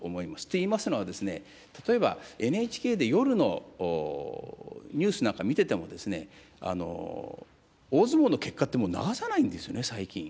といいますのは、例えばＮＨＫで夜のニュースなんか見てても、大相撲の結果って、もう流さないんですよね、最近。